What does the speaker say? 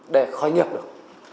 để khởi nghiệp được